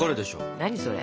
何それ？